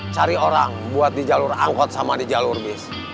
cari orang buat di jalur angkot sama di jalur bis